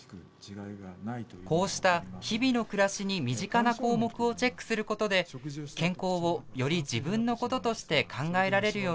こうした日々の暮らしに身近な項目をチェックすることで健康をより自分のこととして考えられるようにしています。